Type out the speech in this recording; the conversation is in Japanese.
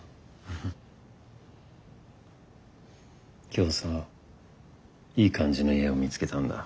今日さいい感じの家を見つけたんだ。